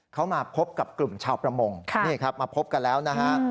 เขามาพบกับกลุ่มชาวประมงนี่ครับมาพบกันแล้วนะฮะ